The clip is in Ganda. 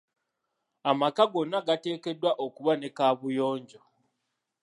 Amaka gonna gateekeddwa okuba ne kaabuyonjo.